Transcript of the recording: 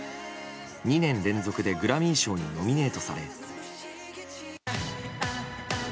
２年連続でグラミー賞にノミネートされ。